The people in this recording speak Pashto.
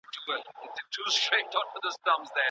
د سوزن درملنه چيري کیږي؟